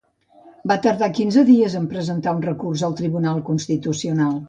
Va tardar quinze dies a presentar un recurs al Tribunal Constitucional.